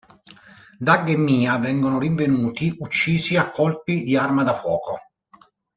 Dag e Mia vengono rinvenuti uccisi a colpi di arma da fuoco.